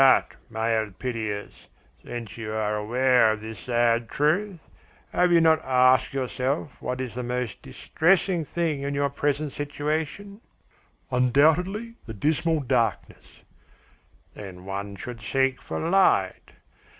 But, my Elpidias, since you are aware of this sad truth, have you not asked yourself what is the most distressing thing in your present situation?" "Undoubtedly the dismal darkness." "Then one should seek for light.